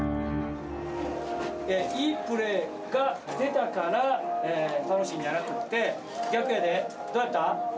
いいプレーが出たから楽しいんじゃなくって、逆やで、どうやった？